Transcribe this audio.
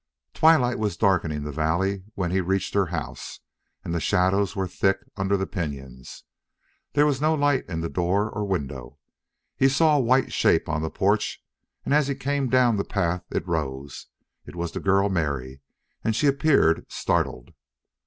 Twilight was darkening the valley when he reached her house, and the shadows were thick under the pinyons. There was no light in the door or window. He saw a white shape on the porch, and as he came down the path it rose. It was the girl Mary, and she appeared startled.